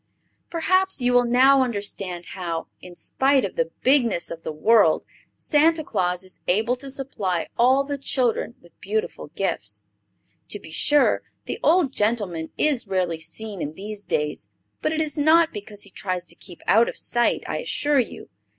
Perhaps you will now understand how, in spite of the bigness of the world, Santa Claus is able to supply all the children with beautiful gifts. To be sure, the old gentleman is rarely seen in these days; but it is not because he tries to keep out of sight, I assure you.